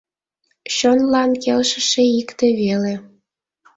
Чонлан келшыше икте веле.